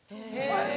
えっ？